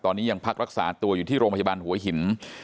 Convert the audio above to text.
ตอนนี้ยังพักรักษาตัวอยู่ที่โรงพยาบาลหัวหิน